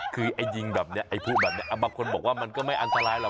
คือไอ้ยิงแบบนี้ไอ้พวกแบบนี้บางคนบอกว่ามันก็ไม่อันตรายหรอก